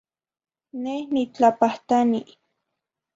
Neh nitlapahtani.